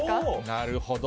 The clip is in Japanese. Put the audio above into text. なるほど。